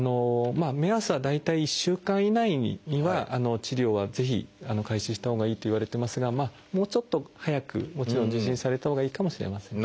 目安は大体１週間以内には治療はぜひ開始したほうがいいといわれてますがもうちょっと早くもちろん受診されたほうがいいかもしれませんね。